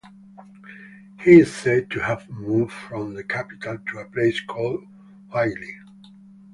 He is said to have moved from the capital to a place called Huaili.